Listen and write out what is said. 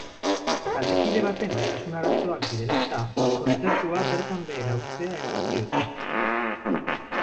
Taldekide baten osasun arazoak direla eta, kontzertua bertan behera uztea erabaki dute.